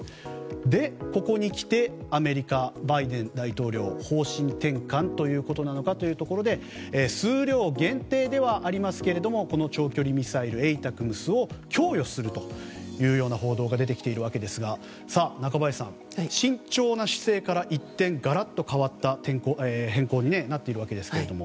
で、ここに来てアメリカのバイデン大統領方針転換ということなのかというところで数量限定ではありますが長距離ミサイル、ＡＴＡＣＭＳを供与するというような報道が出てきているわけですが中林さん慎重な姿勢から一転ガラッと変わった変更になっているわけですけれども。